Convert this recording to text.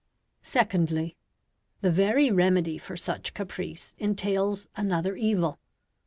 Secondly. The very remedy for such caprice entails another evil.